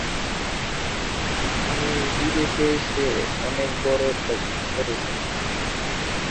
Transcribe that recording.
বর্তমানে অবশ্য মানবতাবিরোধী বলে ছাগবলিও ক্রমশ বন্ধ হয়ে আসছে।